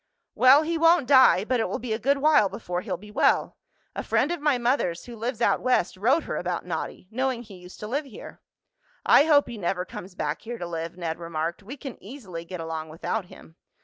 "Well, he won't die, but it will be a good while before he'll be well. A friend of my mother's, who lives out West, wrote her about Noddy, knowing he used to live here." "I hope he never comes back here to live," Ned remarked. "We can easily get along without him."